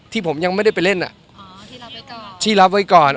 ที่ผมยังไม่ได้ไปเล่นอ่ะอ๋อที่รับไว้ก่อนที่รับไว้ก่อน